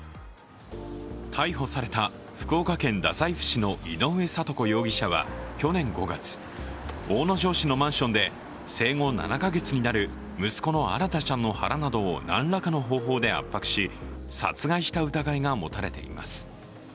逮捕された福岡県太宰府市の井上徳子容疑者は去年５月、大野城市のマンションで生後７か月になる息子の新大ちゃんの腹などを何らかの方法で圧迫し、殺害した疑いが持たれています。